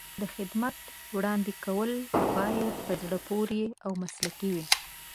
د خدمت وړاندې کول باید په زړه پورې او مسلکي وي.